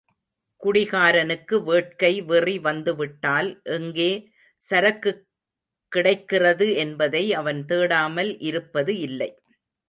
குடிகாரனுக்கு வேட்கை வெறி வந்து விட்டால் எங்கே சரக்குக்கிடைக்கிறது என்பதை அவன் தேடாமல் இருப்பது இல்லை.